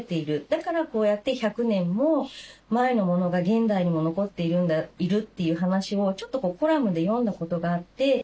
だからこうやって１００年も前のものが現代にも残っているという話をちょっとコラムで読んだことがあって。